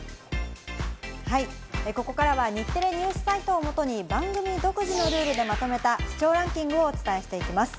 はい、ここからは日テレＮＥＷＳサイトをもとに番組独自のルールでまとめた視聴ランキング、お伝えしていきます。